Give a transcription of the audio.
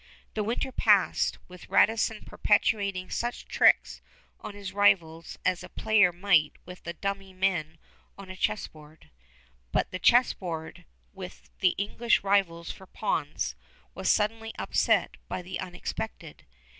The winter passed, with Radisson perpetrating such tricks on his rivals as a player might with the dummy men on a chessboard; but the chessboard, with the English rivals for pawns, was suddenly upset by the unexpected.